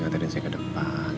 ngaterin saya ke depan